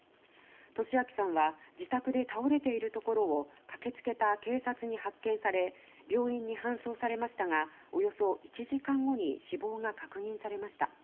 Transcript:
利明さんは自宅で倒れているところを駆けつけた警察に発見され病院に搬送されましたがおよそ１時間後に死亡が確認されました。